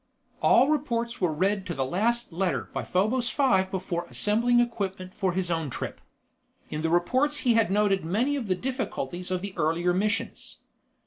All reports were read to the last letter by Probos Five before assembling equipment for his own trip. In the reports he had noted many of the difficulties of the earlier missions.